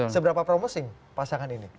seberapa promising pasangan ini